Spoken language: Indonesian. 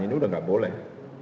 ini udah gak boleh